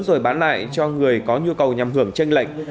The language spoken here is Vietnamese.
rồi bán lại cho người có nhu cầu nhằm hưởng tranh lệch